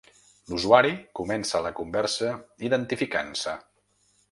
L'usuari comença la conversa identificant-se.